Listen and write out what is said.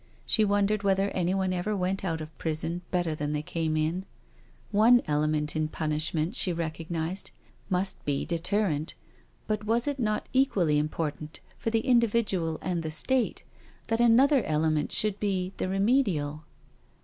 She wondered whether anyone ever went out of prison better than they came in. One element in punishment^ she recognised, must be deterrent, but was it not equally important for the individual and the State, that another element should be the remedial?